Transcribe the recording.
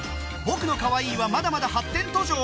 『僕の可愛いはまだまだ発展途上！？』